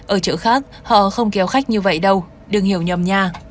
ở chợ khác họ không kéo khách như vậy đâu đừng hiểu nhầm nha